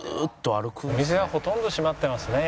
お店はほとんど閉まってますね